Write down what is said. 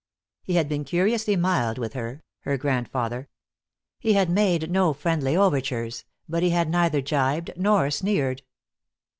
He had been curiously mild with her, her grandfather. He had made no friendly overtures, but he had neither jibed nor sneered.